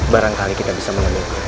barangkali kita bisa menemukan